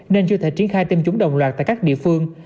nên chưa thể triển khai tiêm chủng đồng loạt tại các địa phương